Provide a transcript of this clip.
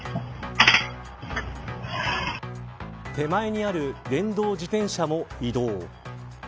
手前にある電動自転車も移動。